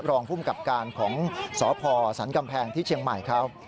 รองภูมิกับการของสพสันกำแพงที่เชียงใหม่เขา